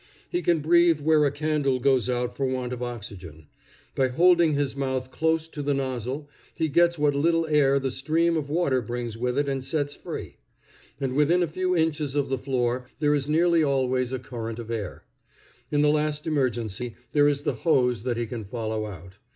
He can breathe where a candle goes out for want of oxygen. By holding his mouth close to the nozzle, he gets what little air the stream of water brings with it and sets free; and within a few inches of the floor there is nearly always a current of air. In the last emergency, there is the hose that he can follow out.